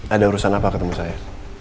ada urusan apa ketemu saya